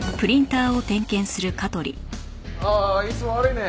ああいつも悪いね。